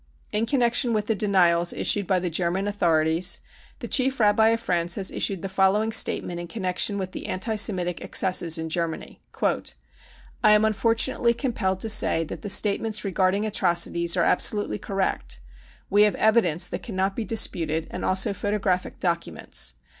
In connection with the denials issued by the German author ities, the Chief Rabbi of France has issued the following statement in connection with the anti Semitic excesses in Germany :I am unfortunately compelled to say that the statements regarding atrocities are absolutely correct. We have evidence that cannot be disputed and also photographic documents.